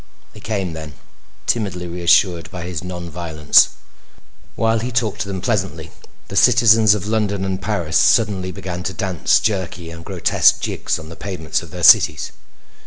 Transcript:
They came then, timidly reassured by his non violence. While he talked to them pleasantly the citizens of London and Paris suddenly began to dance jerky and grotesque jigs on the pavements of their cities.